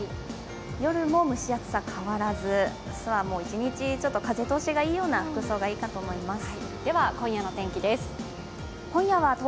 夜も蒸し暑さ変わらず明日は一日風通しがいい服装がいいと思います。